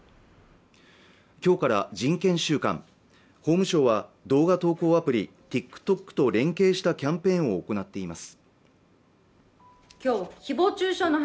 今日から人権週間法務省は動画投稿アプリＴｉｋＴｏｋと連携したキャンペーンを行っています